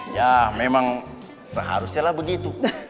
ya memang seharusnya lah begitu